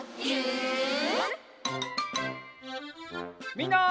みんな。